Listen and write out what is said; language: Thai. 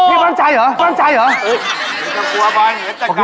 วินไฟมีสนใจเหรอ